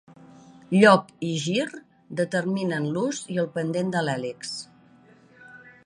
Lloc i gir determinen l'ús i el pendent de l'hèlix.